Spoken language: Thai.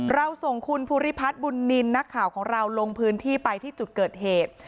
เราส่งคุณภูริพัฒน์บุญนินทร์นักข่าวของเราลงพื้นที่ไปที่จุดเกิดเหตุ